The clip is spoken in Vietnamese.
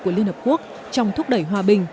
của liên hợp quốc trong thúc đẩy hòa bình